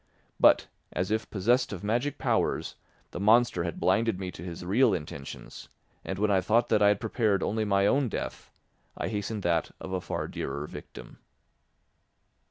But, as if possessed of magic powers, the monster had blinded me to his real intentions; and when I thought that I had prepared only my own death, I hastened that of a far dearer victim.